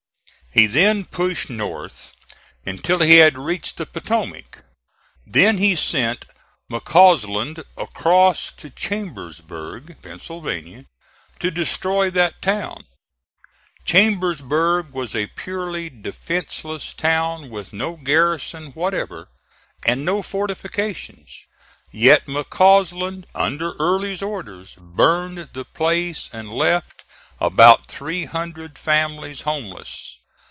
He then pushed north until he had reached the Potomac, then he sent McCausland across to Chambersburg, Pa., to destroy that town. Chambersburg was a purely defenceless town with no garrison whatever, and no fortifications; yet McCausland, under Early's orders, burned the place and left about three hundred families houseless.